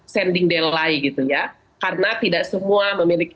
sending dely gitu ya karena tidak semua memiliki